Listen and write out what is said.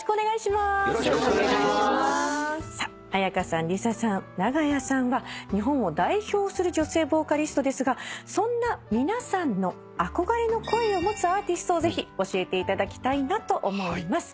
ＬｉＳＡさん長屋さんは日本を代表する女性ボーカリストですがそんな皆さんの憧れの声を持つアーティストをぜひ教えていただきたいなと思います。